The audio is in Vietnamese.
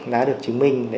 đã được chứng minh